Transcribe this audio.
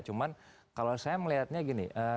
cuma kalau saya melihatnya gini